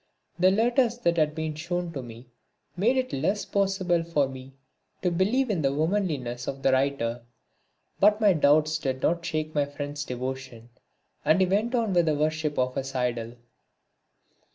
The letters that were shown to me made it still less possible for me to believe in the womanliness of the writer. But my doubts did not shake my friend's devotion and he went on with the worship of his idol.